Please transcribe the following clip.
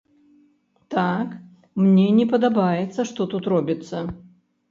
Так, мне не падабаецца, што тут робіцца.